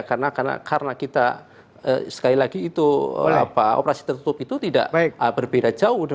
karena kita sekali lagi itu operasi tertutup itu tidak berbeda jauh